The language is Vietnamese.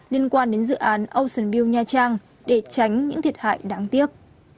liên quan đến dự án ocean view nha trang để tránh những thiệt hại đáng tiếc